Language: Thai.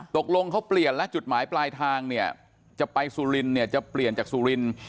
ตกลงเขาเปลี่ยนแล้วจุดหมายปลายทางเนี่ยจะไปสุรินเนี่ยจะเปลี่ยนจากสุรินทร์